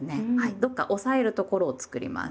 どっか押さえるところを作ります。